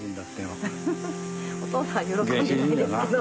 お父さん喜んでないですけど。